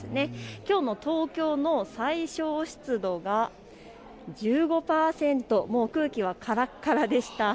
きょうの東京の最小湿度が１５％、空気はからからでした。